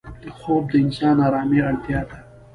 خوب د انسان آرامي اړتیا ده